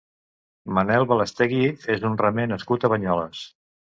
Manel Balastegui és un remer nascut a Banyoles.